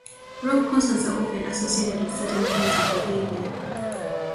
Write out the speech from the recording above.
Rock concerts are often associated with certain kinds of behavior.